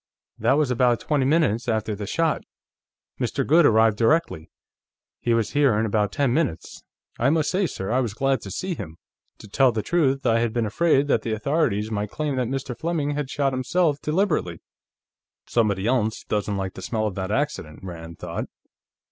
That was about twenty minutes after the shot. Mr. Goode arrived directly; he was here in about ten minutes. I must say, sir, I was glad to see him; to tell the truth, I had been afraid that the authorities might claim that Mr. Fleming had shot himself deliberately." Somebody else doesn't like the smell of that accident, Rand thought.